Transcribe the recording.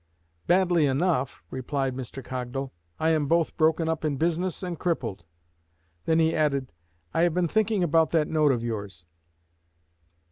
"Badly enough," replied Mr. Cogdal. "I am both broken up in business and crippled." Then he added, "I have been thinking about that note of yours."